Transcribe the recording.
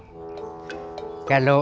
syukur kita ntar dong